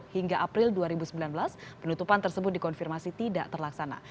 hingga april dua ribu sembilan belas penutupan tersebut dikonfirmasi tidak terlaksana